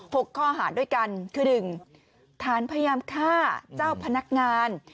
หกข้อหาด้วยกันคือหนึ่งฐานพยายามฆ่าเจ้าพนักงาน